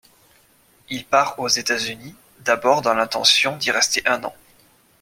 Il part aux États-Unis, d'abord dans l'intention d'y rester un an.